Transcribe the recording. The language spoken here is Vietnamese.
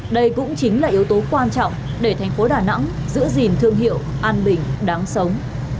đây cũng chính là yếu tố quan trọng để thành phố đà nẵng giữ gìn thương hiệu an bình đáng sống